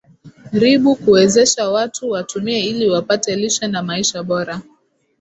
ribu kuwezesha watu watumie ili wapate lishe na maisha bora